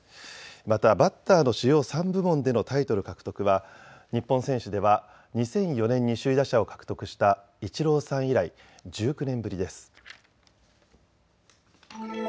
またバッターの主要３部門でのタイトル獲得は日本選手では２００４年に首位打者を獲得したイチローさん以来１９年ぶりです。